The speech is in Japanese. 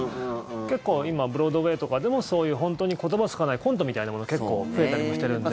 結構、今ブロードウェーとかでもそういう本当に言葉は使わないコントみたいなものが結構、増えたりもしてるんで。